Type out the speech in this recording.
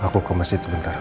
aku ke masjid sebentar